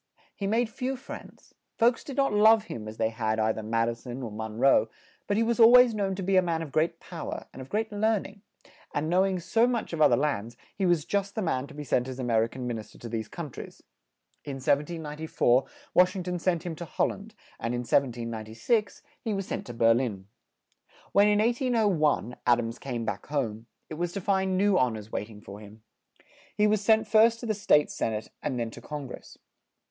He made few friends; folks did not love him as they had ei ther Mad i son or Mon roe, but he was al ways known to be a man of great pow er, and of great learn ing; and know ing so much of other lands, he was just the man to be sent as A mer i can Min is ter to these coun tries. In 1794 Wash ing ton sent him to Hol land, and in 1796 he was sent to Ber lin. When, in 1801, Ad ams came back home, it was to find new hon ors wait ing for him. He was sent first to the State Sen ate and then to Con gress.